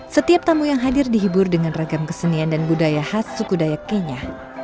setiap tamu yang hadir dihibur dengan ragam kesenian dan budaya khas suku dayak kenya